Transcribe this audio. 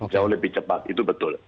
jauh lebih cepat itu betul